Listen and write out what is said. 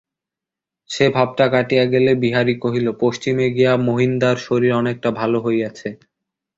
সে-ভাবটা কাটিয়া গেলে বিহারী কহিল, পশ্চিমে গিয়া মহিনদার শরীর অনেকটা ভালো হইয়াছে।